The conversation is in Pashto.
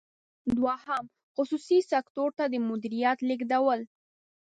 دوهم: خصوصي سکتور ته د مدیریت لیږدول.